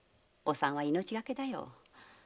お産は命がけだよ。